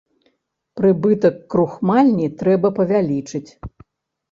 Прыбытак крухмальні трэба павялічыць.